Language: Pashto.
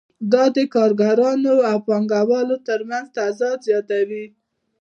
دا د کارګرانو او پانګوالو ترمنځ تضاد زیاتوي